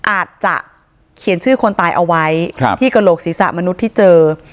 อาจจะเขียนชื่อคนตายเอาไว้ที่กระโหลกศีรษะมนุษย์ที่เจอ